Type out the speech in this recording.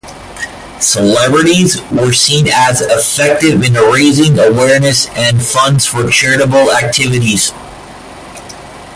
Celebrities were seen as effective in raising awareness and funds for charitable activities.